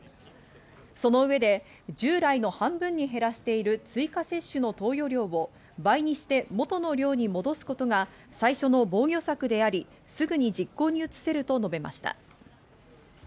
その上で、従来の半分に減らしている追加接種の投与量を倍にして元の量に戻すことが最初の防御策であり、すぐに実行に移せると述べました。